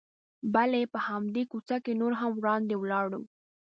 بلې، په همدې کوڅه کې نور هم وړاندې ولاړو.